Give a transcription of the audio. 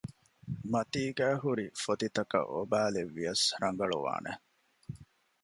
މަތީގައި ހުރިފޮތިތަކަށް އޮބާލެއްވިޔަސް ރަނގަޅުވާނެ